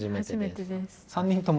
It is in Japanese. ３人とも。